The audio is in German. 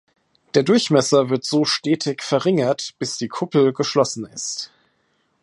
Der Durchmesser wird so stetig verringert, bis die Kuppel geschlossen ist.